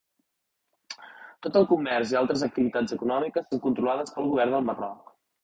Tot el comerç i altres activitats econòmiques són controlades pel govern del Marroc.